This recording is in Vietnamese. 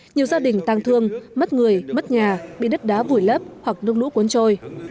nhiều gia đình tăng thương mất người mất nhà bị đất đá vùi lấp hoặc nước lũ cuốn trôi